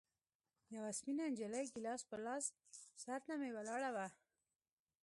يوه سپينه نجلۍ ګيلاس په لاس سر ته مې ولاړه وه.